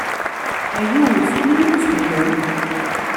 Ayu! Sken-iyi-d, ttxil-m!